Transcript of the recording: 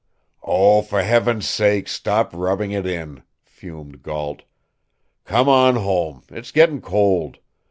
"Oh, for heaven's sake, stop rubbing it in!" fumed Gault. "Come on home! It's getting cold.